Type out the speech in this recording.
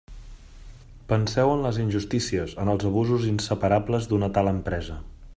Penseu en les injustícies, en els abusos inseparables d'una tal empresa.